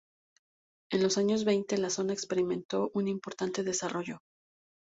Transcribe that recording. En los años veinte la zona experimentó un importante desarrollo.